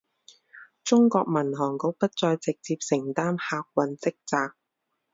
中国民航局不再直接承担客运职责。